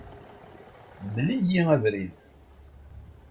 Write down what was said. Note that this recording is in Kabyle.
Mel-iyi abrid.